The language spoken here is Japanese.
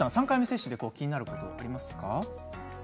３回目接種で気になることありますか。